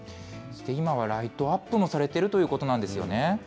今はライトアップもされてるということなんですよね。